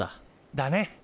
だね！